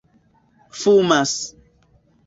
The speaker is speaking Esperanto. fumas